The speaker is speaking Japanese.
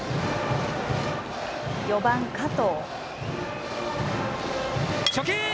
４番・加藤。